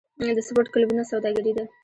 د سپورت کلبونه سوداګري ده؟